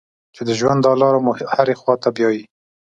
چې د ژوند دا لاره مو هرې خوا ته بیايي.